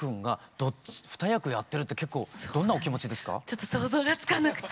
ちょっと想像がつかなくて。